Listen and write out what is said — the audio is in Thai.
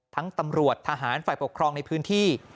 ตำรวจทหารฝ่ายปกครองในพื้นที่